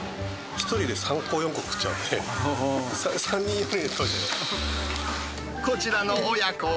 １人で３個、４個食っちゃうんで、こちらの親子は。